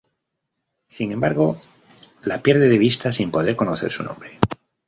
Sin embargo, la pierde de vista sin poder conocer su nombre.